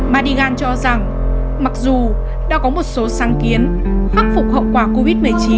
manigan cho rằng mặc dù đã có một số sáng kiến khắc phục hậu quả covid một mươi chín